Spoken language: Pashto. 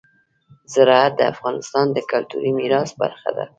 زراعت د افغانستان د کلتوري میراث برخه ده.